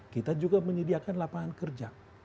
kita juga menyediakan lapangan kerja